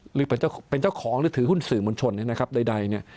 หรือเป็นเจ้าของหรือถือหุ้นสื่อมวลชนนะครับใดเนี่ย